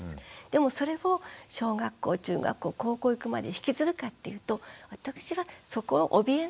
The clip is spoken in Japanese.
でもそれを小学校中学校高校行くまで引きずるかっていうと私はそこをおびえなくていいと思う。